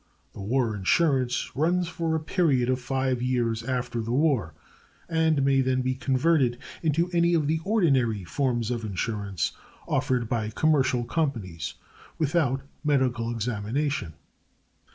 The war insurance runs for a period of five years after the war, and may then be converted into any of the ordinary forms of insurance offered by commercial companies, without medical examination.